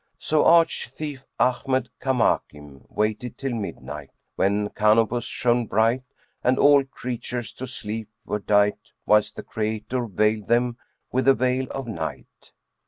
So arch thief Ahmad Kamakin waited till midnight, when Canopus shone bright, and all creatures to sleep were dight whilst the Creator veiled them with the veil of night.